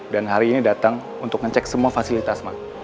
dan hari ini datang untuk ngecek semua fasilitas ma